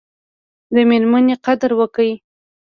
د میرمني قدر وکړئ